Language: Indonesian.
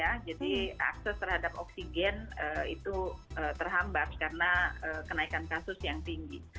jadi akses terhadap oksigen itu terhambat karena kenaikan kasus yang tinggi